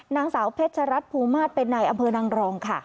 นางสาวเพชรรัฐภูมาสเป็นในอำเภอนังรองค่ะ